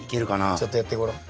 ちょっとやってごらん。